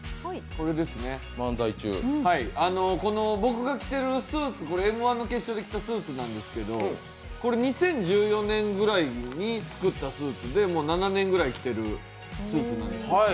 僕が着てるスーツ、Ｍ−１の決勝で着たスーツなんですけど２０１４年ぐらいに作ったスーツで、もう７年ぐらい着てるスーツなんです。